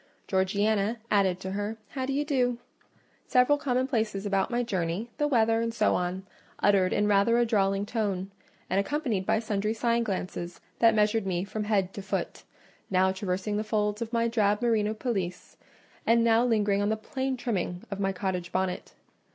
Georgiana added to her "How d'ye do?" several commonplaces about my journey, the weather, and so on, uttered in rather a drawling tone: and accompanied by sundry side glances that measured me from head to foot—now traversing the folds of my drab merino pelisse, and now lingering on the plain trimming of my cottage bonnet.